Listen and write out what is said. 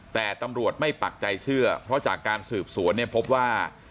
แต่ตำรวจไม่ปักใจเชื่อเพราะจากการสืบสวนเนี่ยพบว่า